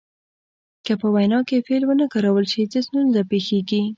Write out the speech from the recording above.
که په وینا کې فعل ونه کارول شي څه ستونزه پیښیږي.